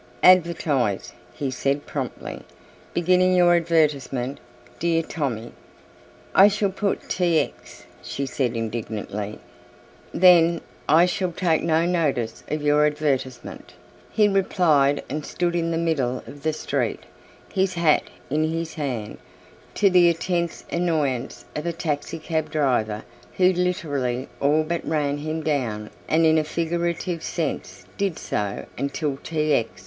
"Advertise," he said promptly, "beginning your advertisement 'Dear Tommy."' "I shall put 'T. X.,'" she said indignantly. "Then I shall take no notice of your advertisement," he replied and stood in the middle of the street, his hat in his hand, to the intense annoyance of a taxi cab driver who literally all but ran him down and in a figurative sense did so until T. X.